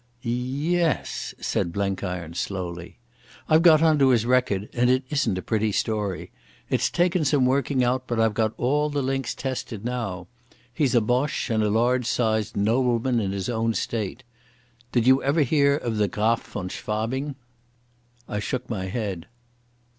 "Ye es," said Blenkiron slowly, "I've got on to his record, and it isn't a pretty story. It's taken some working out, but I've got all the links tested now.... He's a Boche and a large sized nobleman in his own state. Did you ever hear of the Graf von Schwabing?" I shook my head.